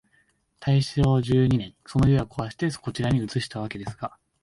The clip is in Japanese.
大正十二年、その家をこわして、こちらに移したわけですが、